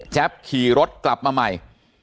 แจ๊บขี่รถกลับมาใหม่